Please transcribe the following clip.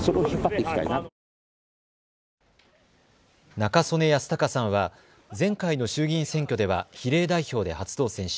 中曽根康隆さんは前回の衆議院選挙では比例代表で初当選し